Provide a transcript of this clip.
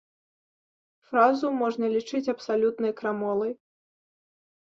Фразу можна лічыць абсалютнай крамолай.